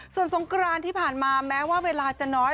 ส่วนสงกรานที่ผ่านมาแม้ว่าเวลาจะน้อย